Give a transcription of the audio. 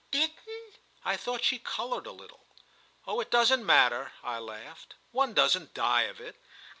"Bitten?" I thought she coloured a little. "Oh it doesn't matter!" I laughed; "one doesn't die of it."